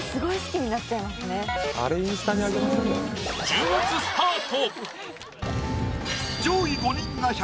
１０月スタート。